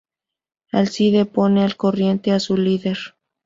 Alcide pone al corriente a su líder.